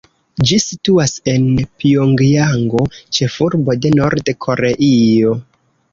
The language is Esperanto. Ĝi situas en Pjongjango, ĉefurbo de Nord-Koreio.